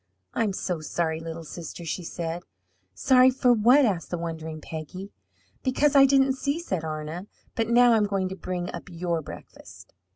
"I'm so sorry, little sister!" she said. "Sorry for what?" asked the wondering Peggy. "Because I didn't see," said Arna. "But now I'm going to bring up your breakfast."